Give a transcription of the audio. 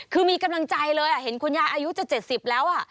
คือมีกำลังใจเลยเห็นคุณยายอายุจะ๗๐แล้ว